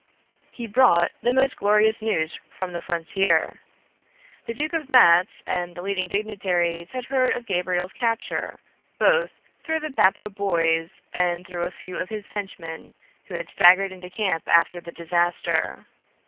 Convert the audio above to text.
He brought the most glorious news from the frontier. The Duke of Matz and the leading dignitaries had heard of Gabriel's capture, both through the Bappo boys and through a few of his henchmen who had staggered into camp after the disaster.